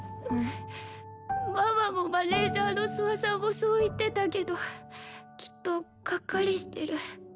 ママもマネージャーの諏訪さんもそう言ってたけどきっとガッカリしてる。